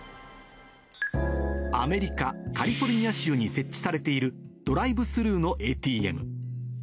アメリカ・カリフォルニア州に設置されている、ドライブスルーのＡＴＭ。